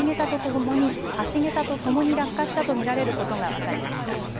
橋桁とともに落下したと見られることが分かりました。